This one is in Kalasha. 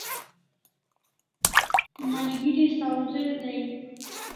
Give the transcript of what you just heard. Malgeri sawzel dai